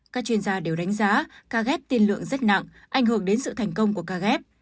các chuyên gia đều đánh giá ca ghép tiên lượng rất nặng ảnh hưởng đến sự thành công của ca ghép